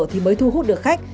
thì mới thu hút được khách